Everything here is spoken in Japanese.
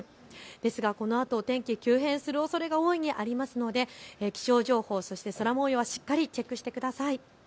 ですがこのあと、お天気急変するおそれが大いにありますので気象情報、そして空もようをしっかりチェックしてください。